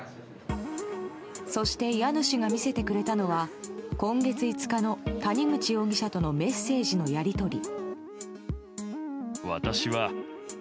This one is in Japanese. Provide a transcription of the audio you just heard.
そして、家主が見せてくれたのは今月５日の谷本容疑者とのメッセージのやり取り。